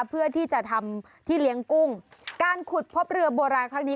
เพื่อที่จะทำที่เลี้ยงกุ้งการขุดพบเรือโบราณครั้งนี้